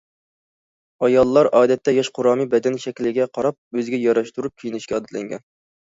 ئاياللار، ئادەتتە، ياش قۇرامى، بەدەن شەكلىگە قاراپ ئۆزىگە ياراشتۇرۇپ كىيىنىشكە ئادەتلەنگەن.